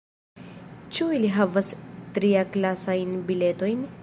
Ĉu ili havas triaklasajn biletojn?